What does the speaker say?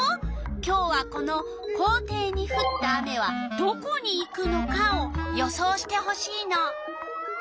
今日はこの「校庭にふった雨はどこにいくのか？」を予想してほしいの。